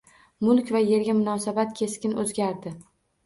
Mulk va yerga munosabat keskin oʻzgardi.